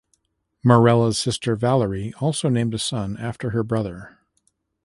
Marella's sister Valerie also named a son after her brother.